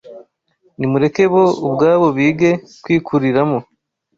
nimureke bo ubwabo bige kwikuriramo